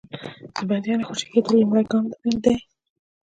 د بندیانو خوشي کېدل لومړی ګام دی.